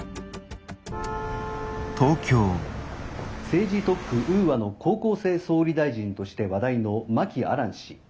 「政治特区ウーアの高校生総理大臣として話題の真木亜蘭氏。